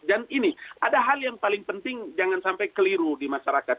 dan ini ada hal yang paling penting jangan sampai keliru di masyarakat